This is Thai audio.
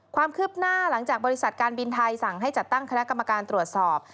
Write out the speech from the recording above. ความคืบหน้าหลังจากบริษัทการบินไทยสั่งให้จัดตั้งคณะกรรมการตรวจสอบ